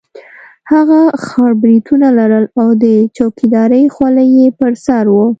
هغه خړ برېتونه لرل او د چوکیدارۍ خولۍ یې پر سر وه.